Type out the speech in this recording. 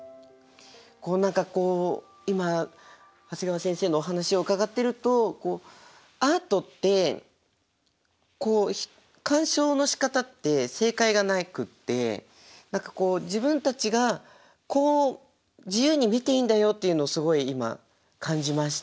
何かこう今長谷川先生のお話を伺ってるとアートって鑑賞のしかたって正解がなくって何かこう自分たちが自由に見ていいんだよっていうのをすごい今感じました。